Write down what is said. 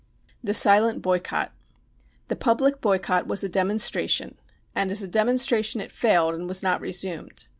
The Silent Boycott. The public boycott was a demon stration, and as a demonstration it failed and was not resumed.